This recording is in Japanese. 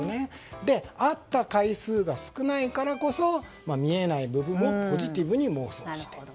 会った回数が少ないからこそ見えない部分をポジティブに妄想する。